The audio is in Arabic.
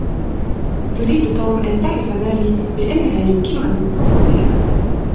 يريد توم أن تعرف ماري بأنها يمكنها الوثوق به.